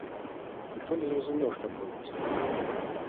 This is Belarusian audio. Ніхто не зразумеў, што адбылося.